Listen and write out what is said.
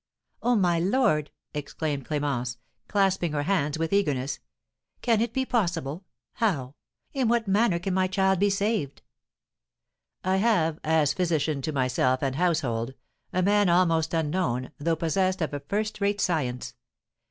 "Oh, my lord!" exclaimed Clémence, clasping her hands with eagerness, "can it be possible? How? In what manner can my child be saved?" "I have, as physician to myself and household, a man almost unknown, though possessed of a first rate science.